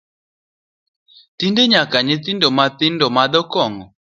Tinde nyaka nyithindo mathindo madho kong’o